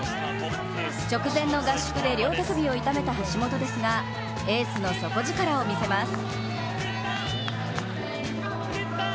直前の合宿で両手首を痛めた橋本ですがエースの底力を見せます。